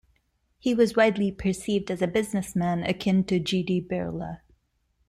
He was widely perceived as a businessman akin to G. D. Birla.